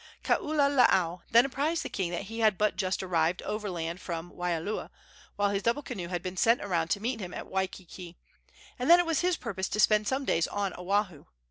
Kaululaau then apprised the king that he had but just arrived overland from Waialua, while his double canoe had been sent around to meet him at Waikiki, and that it was his purpose to spend some days on Oahu.